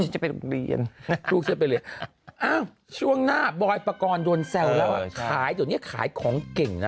ฉันจะไปเรียนช่วงหน้าบอยประกอลโดนแสวขายให้ขายของเก่งนะ